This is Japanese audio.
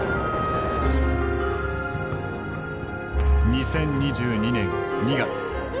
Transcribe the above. ２０２２年２月。